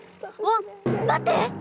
わっ待って！